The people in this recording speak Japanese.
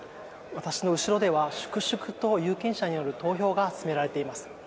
私の後ろでは粛々と有権者による投票が進められています。